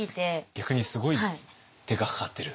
逆にすごい手がかかってる。